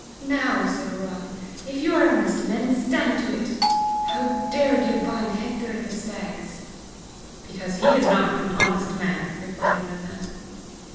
"Now," said Rob, "if you are honest men, stand to it! How dared you bind Hector of the Stags?" "Because he is not an honest man," replied one of them.